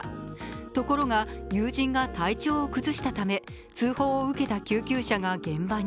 ところが友人が体調を崩したため、通報を受けた救急車が現場に。